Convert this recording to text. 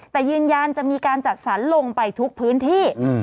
แต่ยืนยันจะมีการจัดสรรลงไปทุกพื้นที่